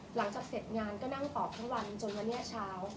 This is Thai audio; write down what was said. หลังจากเสร็จงานก็นั่งตอบทั้งวันจนวันนี้เช้า